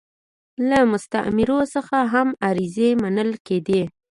له مستعمرو څخه هم عریضې منل کېدې.